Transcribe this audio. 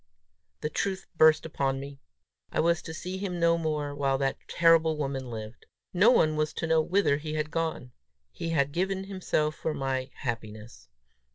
The truth burst upon me: I was to see him no more while that terrible woman lived! No one was to know whither he had gone! He had given himself for my happiness!